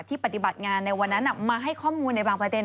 ปฏิบัติงานในวันนั้นมาให้ข้อมูลในบางประเด็น